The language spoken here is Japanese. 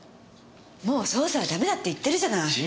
もう捜査はダメだって言ってるじゃない！